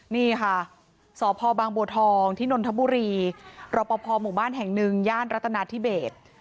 นี่ค่ะสพบางบวทองฯที่นนทบุรีหลพหมู่บ้านแห่งหนึ่งญรษนาธิเบศ